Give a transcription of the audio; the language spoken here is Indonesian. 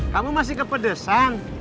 kamu masih kepedesan